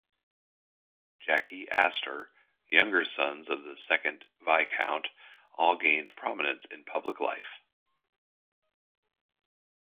Jakie Astor, younger sons of the second Viscount, all gained prominence in public life.